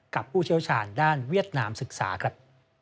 ผู้เชี่ยวชาญด้านเวียดนามศึกษาครับ